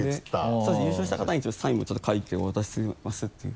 そうです優勝した方にちょっとサインも書いてお渡ししますっていう。